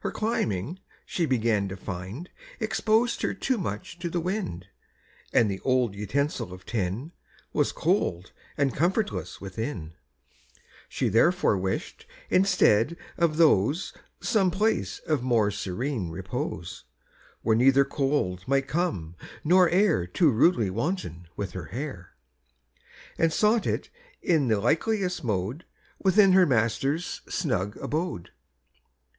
Her climbing, she began to find, Exposed her too much to the wind, And the old utensil of tin Was cold and comfortless within: She therefore wish'd instead of those Some place of more serene repose, Where neither cold might come, nor air Too rudely wanton with her hair, And sought it in the likeliest mode Within her master's snug abode.